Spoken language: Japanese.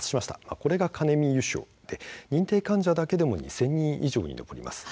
これがカネミ油症で認定患者だけでも２０００人以上います。